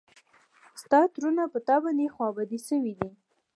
ستا ترونه پر تا باندې خوا بدي شوي دي.